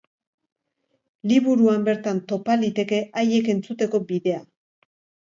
Liburuan bertan topa liteke haiek entzuteko bidea.